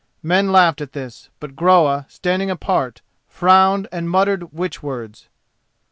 Men laughed at this; but Groa, standing apart, frowned and muttered witch words.